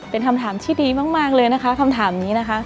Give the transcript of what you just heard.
เป็นคำถามที่ดีมากเลยนะคะคำถามนี้นะคะ